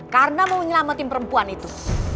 karena mau menyelamatin perempuan itu